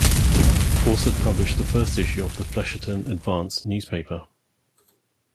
Fawcett published the first issue of the "Flesherton Advance" newspaper.